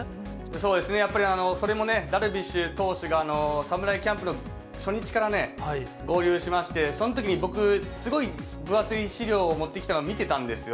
そうですね、やっぱりそれもね、ダルビッシュ投手が侍キャンプの初日から合流しまして、そのときに僕、すごい分厚い資料を持ってきたの見てたんですよ。